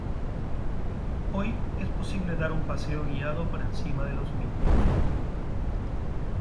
Hoy es posible dar un paseo guiado por encima de los mismos.